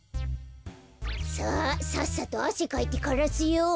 さあさっさとあせかいてからすよ。